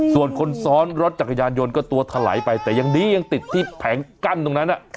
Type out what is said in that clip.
ส่วนคนซ้อนรถจักรยานยนต์ก็ตัวถลายไปแต่ยังดียังติดที่แผงกั้นตรงนั้น